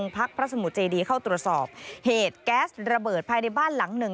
พักพระสมุทรเจดีเข้าตรวจสอบเหตุแก๊สระเบิดภายในบ้านหลังหนึ่ง